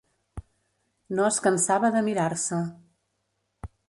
No es cansava de mirar-se.